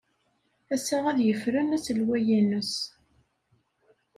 Ass-a ad yefren aselway-ines.